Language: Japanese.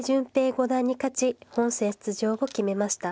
五段に勝ち本戦出場を決めました。